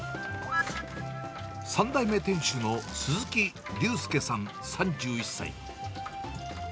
３代目店主の鈴木隆介さん３１歳。